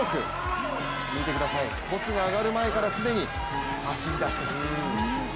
見てください、トスが上がる前から既に走り出しています。